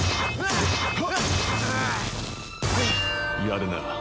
やるな。